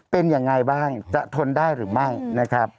เป็นยังไงบ้างจะทนได้หรือไม่นะครับ